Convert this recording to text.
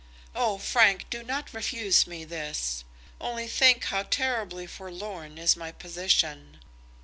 "Oh, Frank, do not refuse me this; only think how terribly forlorn is my position!"